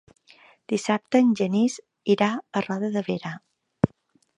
Dissabte en Genís irà a Roda de Berà.